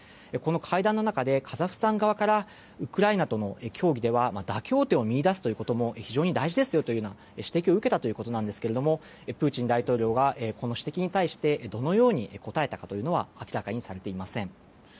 この会談の中でカザフスタン側からウクライナとの協議では妥協点を見いだすということも非常に大事ですよというような指摘を受けたということですがプーチン大統領がこの指摘に対してどのように答えたかというのは明らかにされていません。